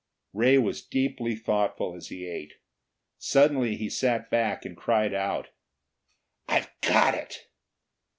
Ray was deeply thoughtful as he ate. Suddenly he sat back and cried out: "I've got it!"